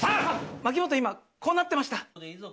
牧本、今、こうなってました。